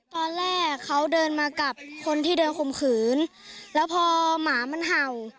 ตอนแรกเขาเดินมากับคนที่เดินข่มขืนแล้วพอหมามันเห่า